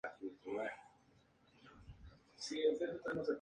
El parque destaca por su pinar de Aleppo y su maquia o un anfiteatro.